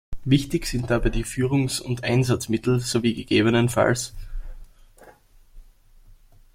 Wichtig sind dabei die Führungs- und Einsatzmittel sowie ggfs.